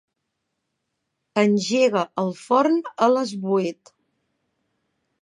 Engega el forn a les vuit.